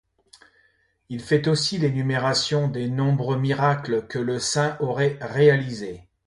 Il fait aussi l'énumération des nombreux miracles que le saint aurait réalisé.